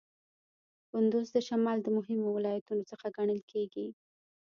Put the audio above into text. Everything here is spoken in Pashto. کندز د شمال د مهمو ولایتونو څخه ګڼل کیږي.